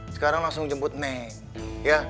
sekarang langsung jemput neng